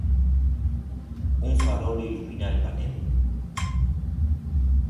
Un farol ilumina el panel.